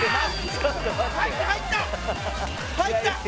入った！